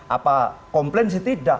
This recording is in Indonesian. apa komplain sih tidak